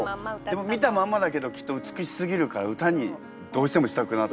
見たまんまだけどきっと美しすぎるから詩にどうしてもしたくなった。